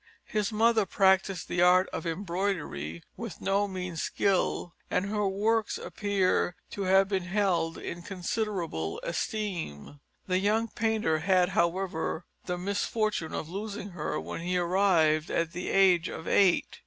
His mother practised the art of embroidery with no mean skill, and her works appear to have been held in considerable esteem. The young painter had, however, the misfortune of losing her when he arrived at the age of eight.